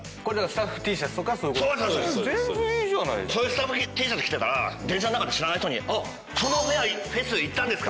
スタッフＴシャツ着てたら電車の中で知らない人に「そのフェス行ったんですか